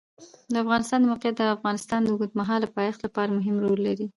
د افغانستان د موقعیت د افغانستان د اوږدمهاله پایښت لپاره مهم رول لري.